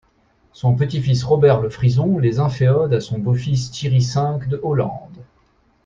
Son petit-fils Robert le Frison les inféode à son beau-fils Thierry V de Hollande.